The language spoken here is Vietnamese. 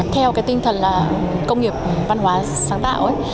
theo cái tinh thần là công nghiệp văn hóa sáng tạo